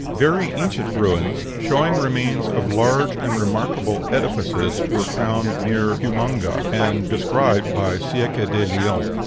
Very ancient ruins, showing remains of large and remarkable edifices, were found near Huamanga, and described by Cieça de Leon.